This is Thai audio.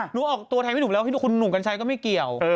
หนูออกตัวแทนให้หนูแล้วคุณหนูกันใช้ก็ไม่เกี่ยว